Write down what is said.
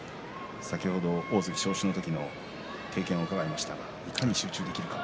先ほど大関昇進の時の経験を伺いましたがいかに集中するか。